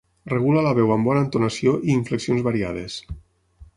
Regula la veu amb bona entonació i inflexions variades.